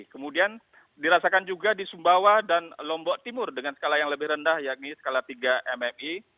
kemudian dirasakan juga di sumbawa dan lombok timur dengan skala yang lebih rendah yakni skala tiga mmi